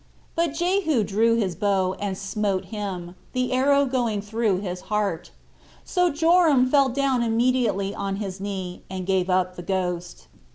But Jehu drew his bow, and smote him, the arrow going through his heart: so Joram fell down immediately on his knee, and gave up the ghost.